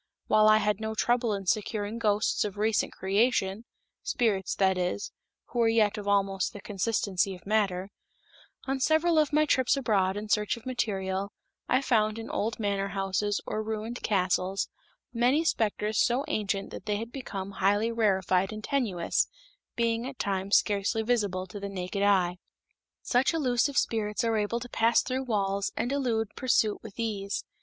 While I had no trouble in securing ghosts of recent creation spirits, that is, who were yet of almost the consistency of matter on several of my trips abroad in search of material I found in old manor houses or ruined castles many specters so ancient that they had become highly rarefied and tenuous, being at times scarcely visible to the naked eye. Such elusive spirits are able to pass through walls and elude pursuit with ease.